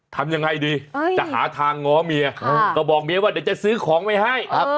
ทำยังไงดีจะหาทางง้อเมียก็บอกเมียว่าเดี๋ยวจะซื้อของไว้ให้